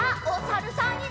おさるさん。